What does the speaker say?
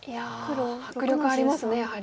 迫力ありますねやはり。